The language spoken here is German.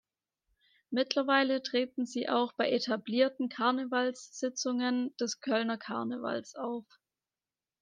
Mittlerweile treten sie auch bei etablierten Karnevalssitzungen des Kölner Karnevals auf.